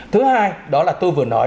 thứ hai đó là tôi vừa nói